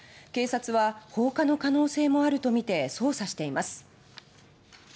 警察は放火の可能性もあるとみて捜査しています。